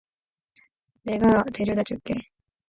내가 데려다 줄게.